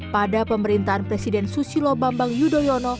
pada pemerintahan presiden susilo bambang yudhoyono